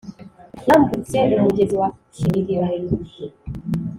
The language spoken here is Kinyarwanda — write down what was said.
yambutse umugezi wa kibirira.